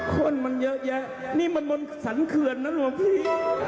คนมันเยอะแยะนี่มันบนสรรเขื่อนนะหลวงพี่